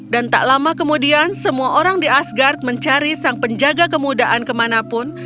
dan tak lama kemudian semua orang di asgard mencari sang penjaga kemudahan kemanapun